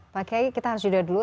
pak kyai kita harus judul dulu